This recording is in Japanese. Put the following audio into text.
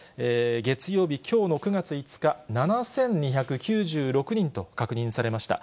月曜日、きょうの９月５日、７２９６人と確認されました。